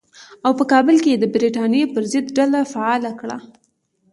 او په کابل کې یې د برټانیې پر ضد ډله فعاله کړه.